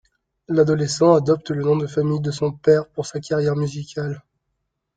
L'adolescent adopte le nom de famille de son père pour sa carrière musicale.